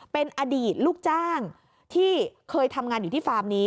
เป็นอดีตลูกจ้างที่เคยทำงานอยู่ที่ฟาร์มนี้